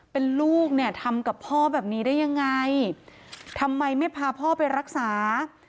เป็นลูกเนี่ยทำกับพ่อแบบนี้ได้ยังไงทำไมไม่พาพ่อไปรักษา